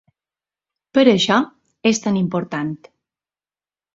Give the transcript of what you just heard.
Per això és tan important.